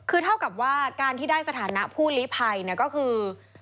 คือเท่ากับว่าการที่ได้สถานะผู้ลิภัยก็คือ